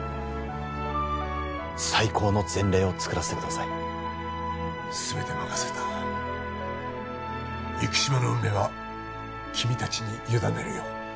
最高の前例を作らせてくださいすべて任せた生島の運命は君達に委ねるよ